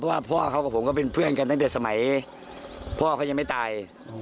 ว่าพ่อเขากับผมก็เป็นเพื่อนกันตั้งแต่สมัยพ่อเขายังไม่ตาย